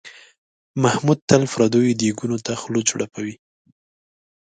محمود تل پردیو دیګونو ته خوله چړپوي.